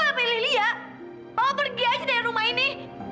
kalau papa pilih lia papa pergi aja dari rumah ini